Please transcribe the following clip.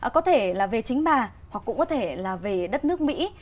có thể là về chính bà hoặc cũng có thể là về đất nước mỹ